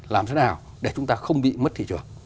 làm thế nào để chúng ta không bị mất thị trường